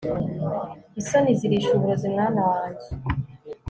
isoni zirisha uburozi mwana wanjye